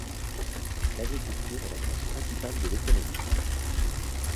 L'agriculture est la branche principale de l'économie.